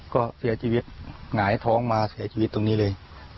ก็เสียชีวิตหงายท้องมาเสียชีวิตตรงนี้เลย